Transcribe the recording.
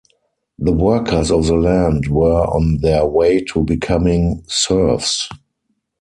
The workers of the land were on their way to becoming serfs.